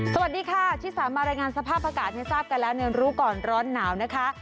สวัสดีค่ะชิคกี้พายมารายงานสภาพอากาศที่ทราบกันแล้วเนินรู้ก่อนร้อนหนาวนะคะ